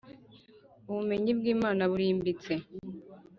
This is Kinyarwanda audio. ubumenyi bw Imana burimbitse